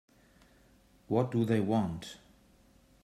What do they want?